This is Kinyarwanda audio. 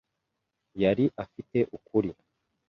yari afite ukuri.